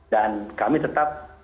dan kami tetap